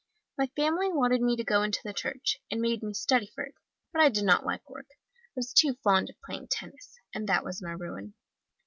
My family wanted me to go into the church, and made me study for it, but I did not like work. I was too fond of playing tennis, and that was my ruin.